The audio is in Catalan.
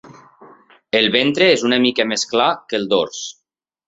El ventre és una mica més clar que el dors.